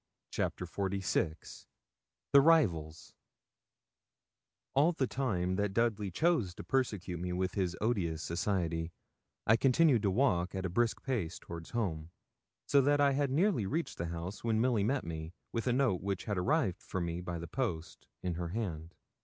CHAPTER XLVI THE RIVALS All the time that Dudley chose to persecute me with his odious society, I continued to walk at a brisk pace toward home, so that I had nearly reached the house when Milly met me, with a note which had arrived for me by the post, in her hand.